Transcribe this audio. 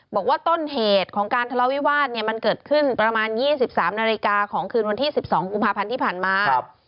บอกว่าต้นเหตุของการทะเลาวิวาสเนี่ยมันเกิดขึ้นประมาณ๒๓นาฬิกาของคืนวันที่๑๒กุมภาพันธ์ที่ผ่านมา